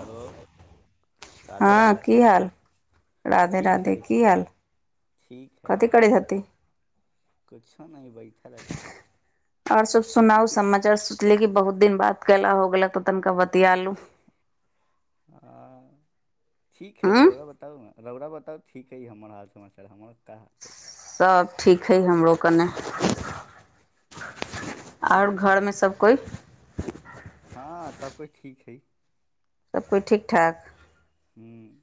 Hello Radhe हाँ राधे की हाल राधे ठीक राधे हइ की हाल। कथी करै हथि। कुछो नहि बैठल हथि। आओर सब सुनाउ समाचार सोचली की बहुत दिन बात कला हो गला त तनिका बतियालू। हँ ठीक हैए हँ रउआ बताऊ ना। रौड़रा बताउ ठीक हइ हमर हाल समाचार हमर ता हतैए। सब ठीक हइ हमरो कने। आ ओर घर मे सब कोइ। हाँ सब कोइ ठीक हैए। सब कोई ठीक ठाक। हूँ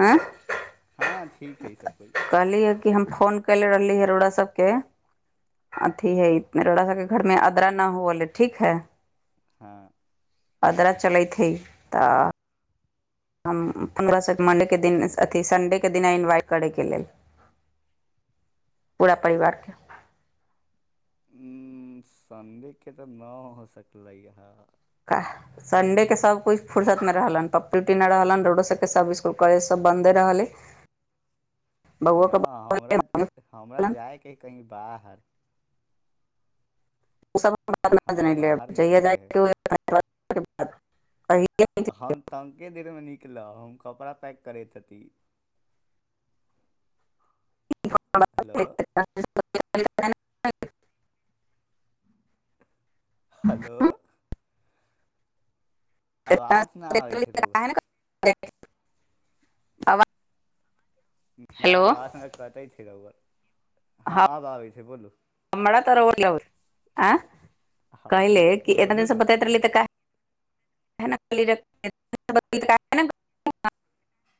आँय हँ ठीक है सब कोइ। कल्हि ह कि हम फोन कैलिए रहली ह रऊरा सब के। अथी हैए रऊडा हर के घर मे अदरा न होय लै ठीक है। हँ अदरा चलैइत है त। हम पन्द्रह से मण्डे के दिन अथि सण्डे के दिन इन्वाइट करै के लेल। पूरा परिवार के। उ सण्डे के तऽ न हो सकलै हँ। का सण्डे के सब कोई फुरसत मे रहलन [unintelligible] रोडो से सब इस्कूल कॉलेज सब बंन्दे रहलै। ना हमरा रहलन। हमरा जाइके अई कहीँ बाहर। हमरा बाहर निकलयके हइ [unintelligible] हम तनिके देर मे निकलब हम कपड़ा पैक करैत हेती। हेलो [unintelligible] हलो। आवाज नहि आबैत छै रौआ [unintelligible] ना हेलो एखने कतै छै रौआ। हँ हाँ आब आबै छै बोलू हमरा त [unintelligible] आँ हँ कहिले बोलू कि एतने बोलू स ने बतातई रहलै तऽ का ह खी [unintelligible]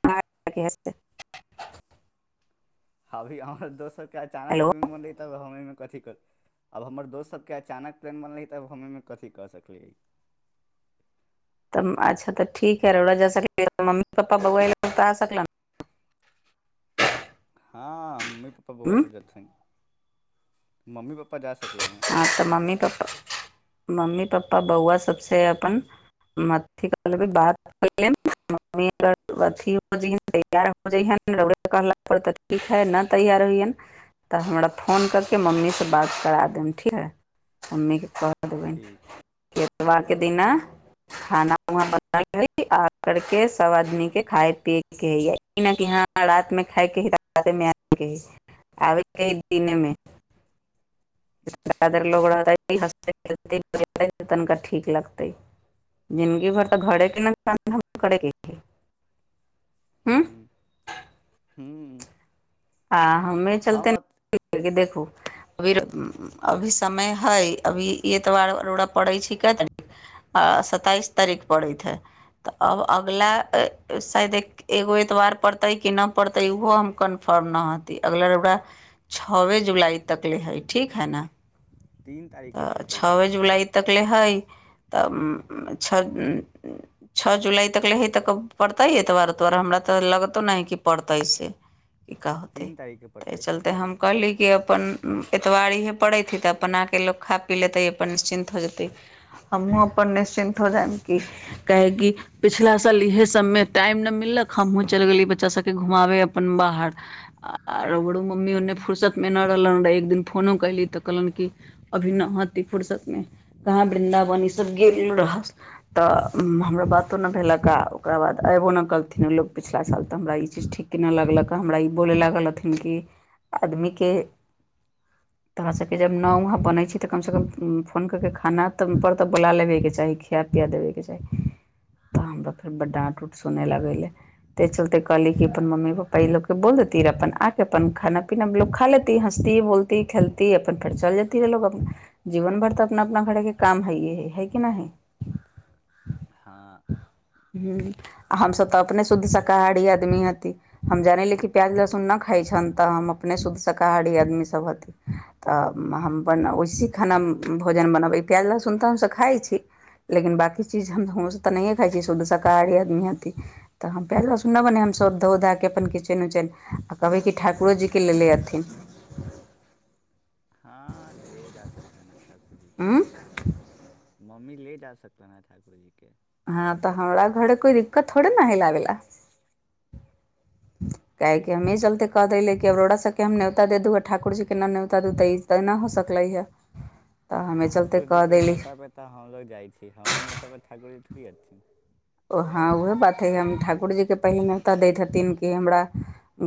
ह हस्त [unintelligible] अभी हमर दोस्त सबके अचानक हेलो पण मन रहै तब हम एहिमे कथी करब अब हमर दोस्त सबके अचानक प्लेन बनलै तऽब हम एहिमे कथी कऽ सकलियै। तऽ अच्छा, तऽ ठीक, आ रहुआ जा सकलै, मम्मी-पप्पा बोलल तऽ आ सकल। हँ मम्मी-पप्पा बौआ हूं सब जेथिन, मम्मी-पप्पा जा सकलैन हँ। हँ तऽ मम्मी- पप्पा, मम्मी- पप्पा, बौआ सबसे अपन मथी कलेबै बात मम्मी अगर अथी हो जन तैयार हो जइहेन र कहल [unintelligible] [unintelligible] तऽ हमरा फोन क के मम्मी से बात करा देम। ठीक है, मम्मी के कह देबनि ठीक इतवार के दिना खाना व ब आ करके सब आदमी के खाय पियएके ह य [unintelligible] न य रात मे खायके है रात मे ह आबेके ह, दिने मे र लग ठीक [unintelligible] [unintelligible] तनिका ठीक लगतै जिनगी भर तऽ घरे ठीक के ने क हम करै के है हूं हूँ हूँ हँ हमे चलते देखू, अभी-अभी समय हई अभी यत बार रोरा तऽ पड़ै छै, क तार आ सताइस तारीख पड़ैत हइ। तऽ अब अगला शायद ऐक एगो एतबार पड़ते कि नय पढ़ते उहो हम कन फॉर्म न हती, अगलारा छवे जुलाई तक ले हइ ठीक है न। तीन तारीखके तऽ पड़तै छओे जुलाइ तकले हइ तऽ छओ छओ जुलाई तक ले हे तऽ पड़तै, एतबारतबारे हमरा तऽ लगतो न है कि पड़तै से क का होतै, तीन तारीखके तऽ एहि पड़तै चलते हम कहली कि अपन एतबार इहे पड़ैत ह तऽ अपन आके लोक खा पी लेतै अपन निश्चिन्त हो जेतै, आ मुूँ अपन निश्चिन्त हो जाइम कि। काहे की पिछिला साल इएह सभमे टाइम नहि मिललक, हमहूँ चलि गेली बच्चाभके घुमाबै अपन बाहर। आोड़ो मम्मी ओन्ने फुुरसतमे नहि रहलनि रहे एक दिन फोनो कयली तऽ कहलनि कि अभी न हती फुुरसतमे, कहाँ वृन्दावन ई सब गेल रह। तऽ हमरा बातो नहि भेलक, आ ओकर बाद आबो नहि कथिन लोक, पिछला साल तऽ हमरा ई चीज ठीक कि न लगलक ह, हमरा ई बोलय लागल हथिन कि आदमी के तोह सबके जब न वहं बनै तऽ कम से कम फोन कर के खाना पर तऽ बोला लेबेके चाही खिया पिया देबे के चाही। तऽ हमराो फेर बड डँट उँट सुनय लगलै। त चले कहल की अपन मम्मी- पप्पा ई ल लोकके बोलत तीर अपन आकेे अपन खाना- पीना लोक खा ल हँसती बोलती खेलती अपन फेर चल जातीै लोग अप जीवन भर तऽ अपना- अपना घरे के काम है य है है कि नय ह। हँ हँ, हम तऽ अपने शुद्ध शाकाहारी आदमी हथिन। हम जानली कि प्याज लहसुन नहि खाइत छनि, तऽ हम अपने शुद्ध शाकाहारी आदमीसभ हथिन। तऽ हम अपन वैसही खाना भोजन बनबै प्याज लहसुन तऽ हमसभ खाइ छी। लेकिन बाकी चीज हमं तऽ नहिए खाइ छीिय, शद्ध शाकाहारी आदमी हती। तऽ हम प्याज लहसुन नहि बने हम सभ धो धए कऽ अपन किचन उचन आ कहबै कि ठाकुरोजीके लेलेने हथिन हँ ले जा सकले न ठाकुर जी ऊ मम्मी ले जा सकते ह ठाकुर जीके हँ, तऽ हमारा घर कोइ दिक्कत थोड़े नहि लाबै ला। काहे के हमे चलते कहहि देलियै कि अरोड़ा सबके हम न्योता दे दू आ ठाकुर जीके न्योता दू, तऽ ई तऽ नहि हो सकलै हँ। [unintelligible] ठाकुरजीके नेता परर तऽ हम लोग जाइ छी, हमर नेता परर ठाकुरजी थोड़ी हथिन। ओ हँ, उएह बात हइ, हम ठाकुरजीके पहिने नेवता दै हथिन कि हमरा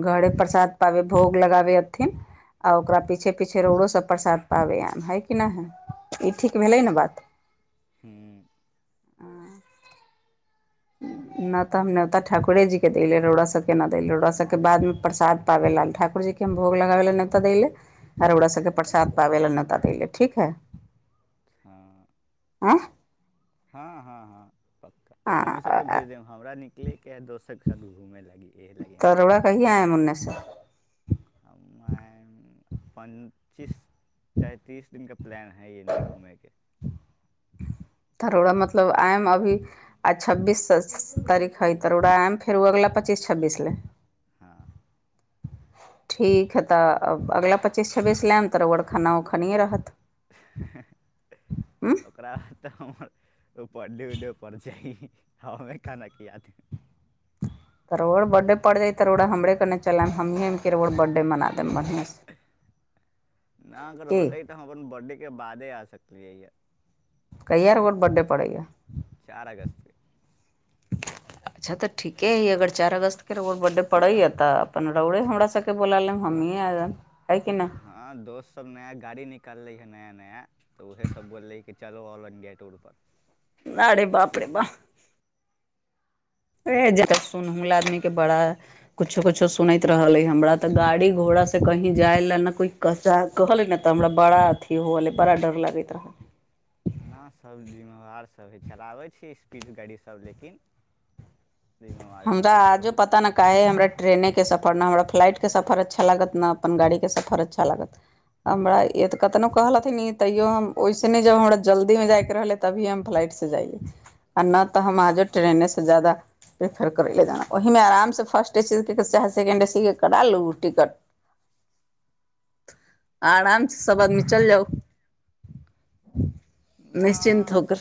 घरे प्रसाद पाबै भोग लगाबै एथिन आ ओकरा पीछे पीछे रोडो सभ प्रसाद पाबै आम हइ कि नहि हइ ई ठीक भेलै न बात हइ हूँ न तऽ हम ने ओता ठाकुरे जी के देलले रोड़ा सब के न देले रोड़ा सब के बाद मे प्रसाद पाबे लाल ठाकुर जी के भोग लगाबे ल नेता दै ले आर ओकरा सबके प्रसाद पाबे ला नेता द ले ठीक है [unintelligible] हँ आँ हँ हँ हँ पक्का मम्मी सभके आ भेज देब हमरा निकलैके हइ दोस्तरके साथ घूमय लागी इएह लागी हम न कमन्नेसँ हम प्चीस चैतीस दिनक प्लान हय एने घूमयके धरोड़ा मतलब आयम अभी आ छब्बीस तारीख हइ तरोड़ आम फेर ओ अगलाा पच्चीस छब्बीस लए हँ ठीक हइ तऽ अगिला पच्चीस छब्बीस लेब तऽर खाना ओ खानिये रहत [unintelligible] हम्म ओकरा बाद तऽ हमरपर्डे उडेपर जा हमे खाना कि याद रोड़ा बर्थडे पड़ि जाइ रोड़ेरे हमने कने चलब हमहीँ के रोड़के बर्डे मना देब बढ़िआँसँ नऽ अगर की होतै तऽ हम अपन बॉडीके बादधे आ सकलियै हऽ कहिया रोअर बर्थडे परे यऽ चारि अगस्तके [unintelligible] अच्छा तऽ ठीके हइ अगर चारि अगस्तके रो बर्थडे पड़ैया तऽ अपन रोड़े हमरा सबके बोला लेब हमहँ आएब हिय कि नहि हँ दोस्त सब नया गाड़ी निकालले है नया नया तऽ उएहसभ बोललै कि चलल इ्डिया टूरपर अरे बाप रे बाप है जकर सुनहु लऽ आदमी के बड़ा कुछो कुछो सुनैत रहलैइ हमरा तऽ गाड़ी घोड़ासँ कहीँ जाइलए ने कोइ कसा कहलै ने तऽ हमरा बड़ा अथी होलै बड़ा डर लगैत रहै नऽ सब जिम्मेवार सब हइ चलाबै छै स्पीड गाड़ी सब लेकिन जिम्मेदार सभ हमरा हैय आजो बहुत पता न काहे हमरा ट्रेनेके सफर नहि हमरा फ्लाइटके सफर अच्छा लागत ने अपन गाड़ीके सफर अच्छा लागत हमरा एते कतनो कहल हथिन तैयो हम ओहिसे ने जब हमरा जल्दी मे जायके रहले तभी हम फ्लाइट से जाइयए आ नहि तऽ हम आ हाँ, जाो ट्रेने से जादा प्रेफर करै लए जाना ओहिमे आरामसँ फर्स्टे ए सी चाहे सेकेण्डे ए सीे कटाल लू टिकट [inaudible] आ आराम सँ सब आदमी चल जाउ निश्चिन्त ना होकर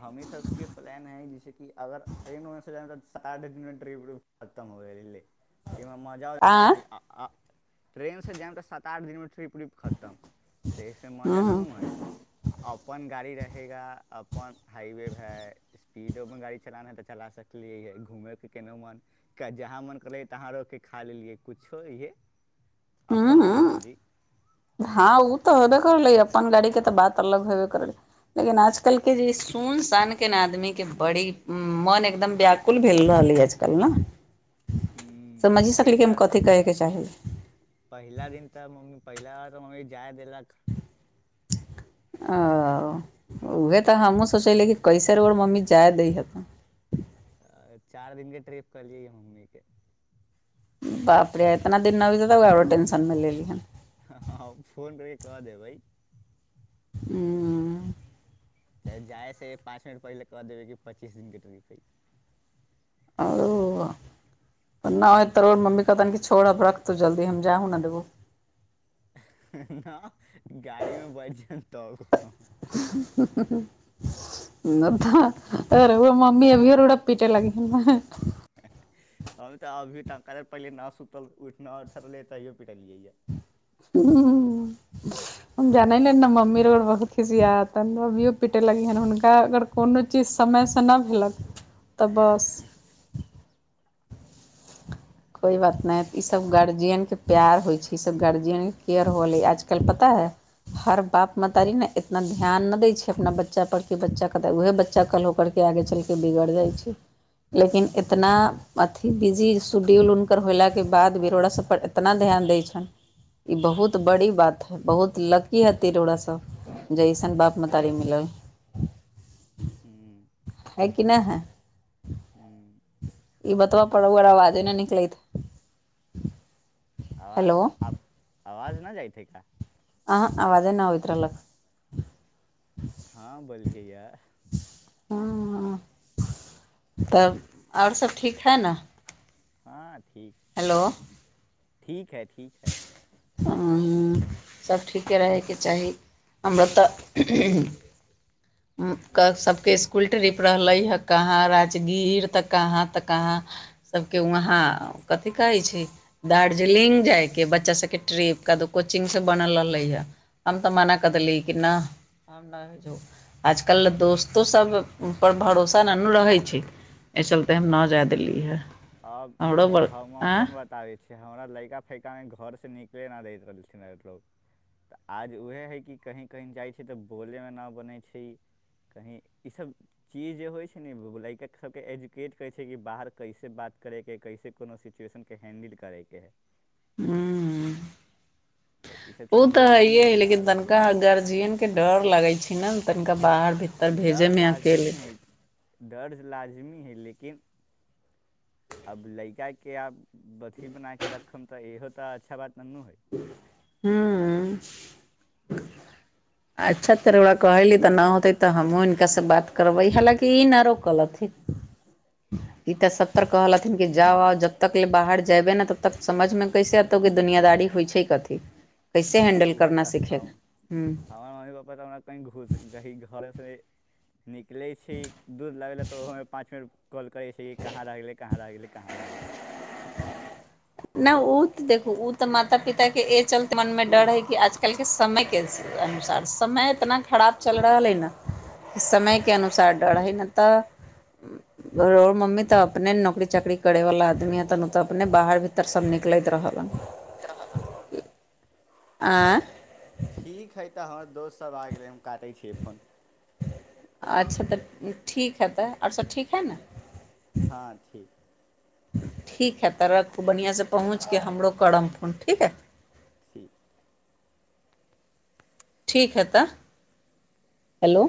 हमी सबके प्लान है जैसे कि अगर ट्रेनमेनेसँ जा तऽ सा दिनमे ट्रिप उ खतम हो गेल ले एमे म आँ ट्रेन से जायम तऽ सात आठ दिनमे ट्री खतम तऽ एहिसे मजा नै हूँ नू हइ अपन गाड़ी रहेगा अपन हाइवे भै स्पीडोमे गाड़ी चलाना हइ तऽ चला सकलियै हए घूमयके केना मोन क जहाँ मोन करै तहाँ रहिकेऽ खा लेलियै किुछो इहे अपन मोन हूँ मोजी हँ ओ तऽ हबे करलै अपनन गाड़ी के तऽ बात अलग हेबे करलै लेकिन आजकल के जे सुन शान के ने आदमी के बड़ी ऊं मन एकदम व्या कुल भेल रहली आजकल नऽ। तऽ समझि सकली कि हम कतेक कथी कहैके चाही पहिला दिन तऽ मम्मी पहिला बार तऽ मम्मी जाय देलक [unintelligible] ओ उह तऽ हमहूँ सोचलै कि कैसे रऊर मम्मी जाय दै हेत चार दिन के ट्रिप करलियए मम्मी के बापरे इतना दिनना भी तऽ तो टेंशन मिलेली हन हँ फोन करके कह देबै हू चाहे जाइसँ पाँच मिनट पहिलेऽ कह देबै कि पच्चीस दिनके ट्रिप हइ ओ नऽ हो तरोर मम्मी कहतनि छोड़ब रख तू जल्दी हम जाहू ने देबो नऽ गाड़ीमे बैठ जायब तब [unintelligible] नऽ तऽ रौवा मम्मी अभिये रोरा पीटे लागि ह ने हम तऽ अभी टक पहिले नऽ सुतल उठ नहि उठललै तहियो पिटलियै यऽ [unintelligible] हम जने ने न मम्मी रोर बा खिसियात अभियो पिटेलगी हन हुनका अगर कोनो चीज समयसँ नहि भेलक तऽ बस कोइ बात नहि ईसभ गार्जियनके प्यार होइ छै ईसभ गार्जियनकेयर होलै आजकल पता हइ हर बाप महतारी ने इतना ध्यान नहि दै छै अपना बच्चा पर कि बच्चाे तऽ उह बच बच्चा होकरके आगे चलके बिगड़ि जाइ छै लेकिन एतना अथी बिजी शड्यूल हुनकर होलाके बाद विरोड़ास सबपर एतना ध्यान दै छनि ई बहुत बड़ी बात है बहुत लकी हती रोरा सब जइसन बाप मतारी मिलल हूँ हैय की ने है हू। ई बतब पड़ आरा अवाजे नऽ निकलेत- आवाज आप आवाज नऽ जाइत हेय का अहं आबजे नऽ आबैत रहलक हँ बोलए हेय हँ तब आओर सभ ठीक हइ ने हँ ठीक हेलो। ठीक है ठीक है। सभ ठीके रहयके चाही हमरा तऽ [inaudible] कऽ सभके इसकुल ट्रिप रहलै हे कहाँ राजगीर तऽ कहाँ तऽ कहाँ। सब के वहा कथिी कहै छै दार्जलिंग जाय के बच्चा सबके ट्रीप कऽ कोचिंग से बनल रहले हऽ हम तऽ मना कऽ देलीै कि नऽ आजकल दोस्तो सभपर भरोसा नहि ने रहै छै। एहि चलते हम नअ जाय देल्लियेय हऽ अब हम अपन बताबै छी। हमरा लैका फैकामे घर से निकले नहि दैत रहलखिन लोग। आज उएह हइ कि कहीँ कहीँ जाइ छै तऽ बोलयमे नहि बनै छै कहीँ ईस चीज जे होइ छै ने लैका सभके एजुकेट करै छै कि बाहर कैसे बात करेके कैसे कोनो सिचुएशन के हैंडल करैके। हू तऽ ईसभ चीज जरूरी हइ बाहर उर जाना जियन के डर लगे छै ने तनिका बाहर भीतर भेजे डर मे अकेले लाजमी हइ डर लाजमी हइ लेकिन अब लड़काके आब अथी बना कऽ रखब तऽ इहो तऽ अच्छा बात न नू हइ हूँ अच्छा तेर ओरा कहैली तऽ नहि होतै तऽ हमहूँ हिनकास से बात करबै हालाँकि ई ना रोकल हथिन [unintelligible] ई त सबतर कहल हथिन क जा आ जब तक ले बाहर जबे ने तब तक समझ में कैसे एतौ की दुनियादारी होइ छै कथी कैसे तब हैंडल उएह करना तऽ हम सीखेगा हूँ हमर मम्मी पपापा तऽ हमरा कहीं घूस कहीं घरेसँ निकलै छी दूध लाबैलै तऽ ओहोमे पाँच मिनट कॉल करै छी कि कहाँ रहि गेलै कहाँ रहि गेलै कहाँ रहि गेलै नहि ओ तऽ देखू ओ तऽ माता पिता के ए चलते मन मे डर हे कि आजकल आइकाल्हिके समयके अनुसार समय इतना खराब चलि रहल अइ ने समयके अनुसार डर हइ न तऽ मम्मी तऽ अपने नौकरी चाकरी करै वाला आदमी हा त उ तऽ अपने बाहर भी भीतर सब निकलैत रहल [unintelligible] आ ठीक हइ तऽ हमर दोस्तसभ आ गेलै हम काटै छियै फोन अच्छा तऽ ठीक हइ तऽ आर सभ ठीक हइ ने हाँ ठीक ठीक हइ तऽ रखू बढ़िआँसँ पहुँचके हमरो करब फोन ठीक हइ ठीक ठीक है तऽ हेलो